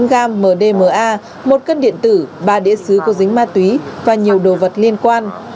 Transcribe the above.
một trăm năm mươi chín gram mdma một cân điện tử ba đĩa xứ của dính ma túy và nhiều đồ vật liên quan